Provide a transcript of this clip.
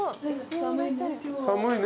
寒いね。